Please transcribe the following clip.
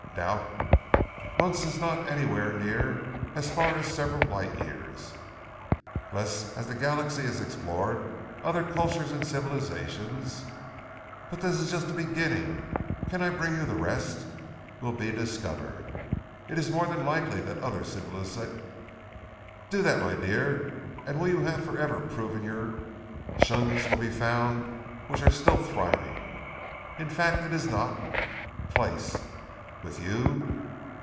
Doubt months is not anywhere near as far as several light years." less as the galaxy is explored, other cultures and civilizations "But this is just the beginning! Can I bring you the rest?" will be discovered. It is more than likely that other civiliza "Do that, my dear and you will have forever proven your tions will be found which are still thriving. In fact it is not place." "_With you?